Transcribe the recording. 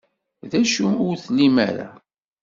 D acu ur tlim ara?